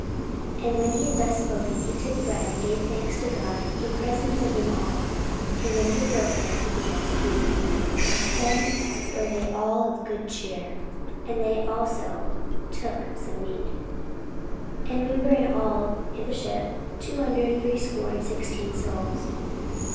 44:027:035 And when he had thus spoken, he took bread, and gave thanks to God in presence of them all: and when he had broken it, he began to eat. 44:027:036 Then were they all of good cheer, and they also took some meat. 44:027:037 And we were in all in the ship two hundred threescore and sixteen souls.